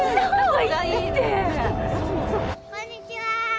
こんにちは！